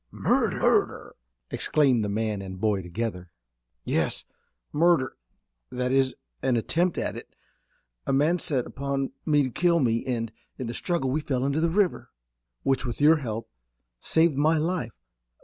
"Murder!" exclaimed the man and boy together. "Yes, murder, that is, an attempt at it. A man set upon me to kill me, and in the struggle we fell in the river, which, with your help, saved my life.